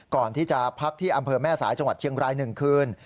ก่อนที่จะพักที่อำเภอแม่สายจังหวัดเชียงราย๑คืน